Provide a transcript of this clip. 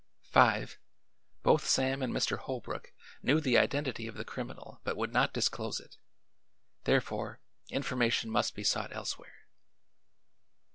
5 Both Sam and Mr. Holbrook knew the identity of the criminal but would not disclose it; therefore information must be sought elsewhere."